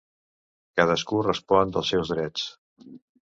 Cadascú respon dels seus drets.